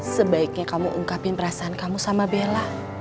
sebaiknya kamu ungkapin perasaan kamu sama bella